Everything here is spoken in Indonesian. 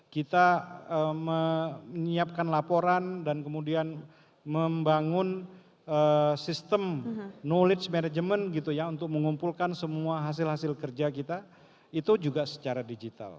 kita menyiapkan laporan dan kemudian membangun sistem knowledge management gitu ya untuk mengumpulkan semua hasil hasil kerja kita itu juga secara digital